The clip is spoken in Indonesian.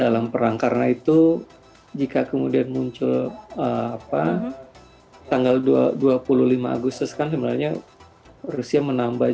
dalam pertempuran karena itu jika kemudian muncul apa tanggal dua ratus dua puluh lima agustus kan semuanya rusia menambah